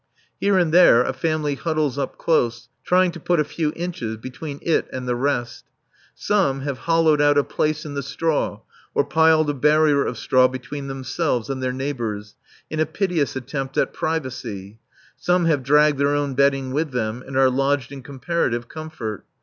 Here and there a family huddles up close, trying to put a few inches between it and the rest; some have hollowed out a place in the straw or piled a barrier of straw between themselves and their neighbours, in a piteous attempt at privacy; some have dragged their own bedding with them and are lodged in comparative comfort.